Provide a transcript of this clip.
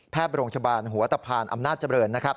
แพทย์โรงชาบาลหัวตะพานอำนาจเจริญ